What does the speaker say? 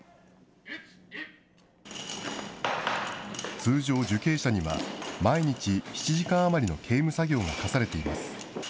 通常、受刑者には、毎日７時間余りの刑務作業が科されています。